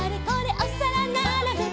おさらならべて」